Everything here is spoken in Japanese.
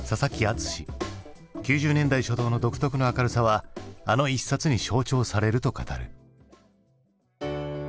９０年代初頭の独特の明るさはあの一冊に象徴されると語る。